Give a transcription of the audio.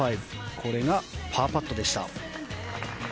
これがパーパットでした。